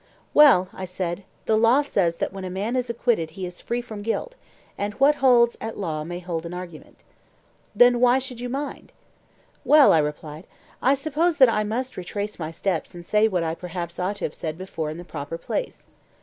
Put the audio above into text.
Well, I said, the law says that when a man is acquitted he is free from guilt, and what holds at law may hold in argument. Then why should you mind? Well, I replied, I suppose that I must retrace my steps and say what I perhaps ought to have said before in the proper place.